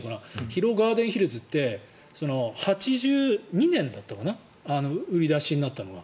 広尾ガーデンヒルズって８２年だったかな売り出しになったのが。